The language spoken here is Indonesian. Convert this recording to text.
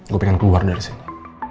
aku pengen keluar dari sini